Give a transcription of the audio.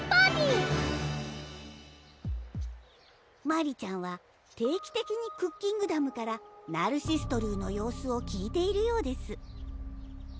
マリちゃんは定期的にクッキングダムからナルシストルーの様子を聞いているようです